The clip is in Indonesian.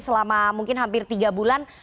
selama mungkin hampir tiga bulan